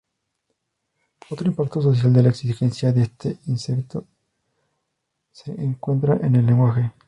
Otro impacto social de la existencia de este insecto se encuentra en el lenguaje.